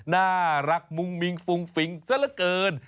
น่ารักมุ้งมิ้งฟุ้งฟิ้งซะละเกิน